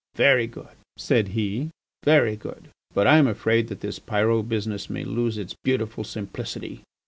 "Very good," said he, "very good! but I am afraid that this Pyrot business may lose its beautiful simplicity.